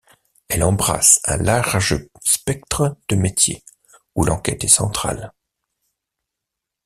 Elle embrasse un large spectre de métiers où l’enquête est centrale.